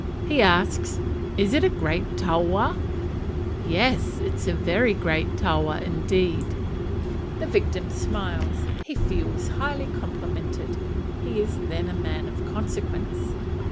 He asks, "Is it a great taua?" "Yes; it is a very great taua indeed." The victim smiles, he feels highly complimented; he is then a man of consequence.